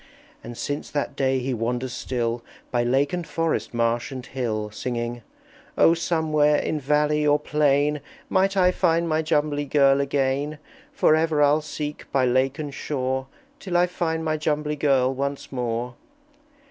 And since that day he wanders still By lake and forest, marsh and hill, Singing, "O somewhere, in valley or plain, Might I find my Jumbly Girl again! For ever I'll seek by lake and shore Till I find my Jumbly Girl once more!"